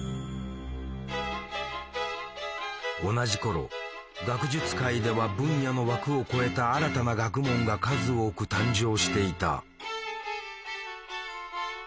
同じ頃学術界では分野の枠を超えた新たな学問が数多く誕生していた。